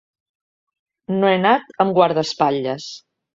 No he anat amb guardaespatlles.